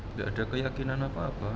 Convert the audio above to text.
nggak ada keyakinan apa apa